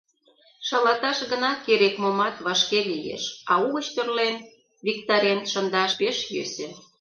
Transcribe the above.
Шалаташ гына керек-момат вашке лиеш, а угыч тӧрлен, виктарен шындаш пеш йӧсӧ.